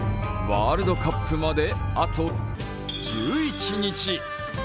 ワールドカップまであと１１日。